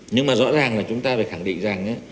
nhưng mà rõ ràng là chúng ta phải khẳng định rằng